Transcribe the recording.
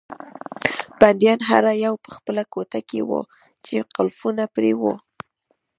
بندیان هر یو په خپله کوټه کې وو چې قلفونه پرې وو.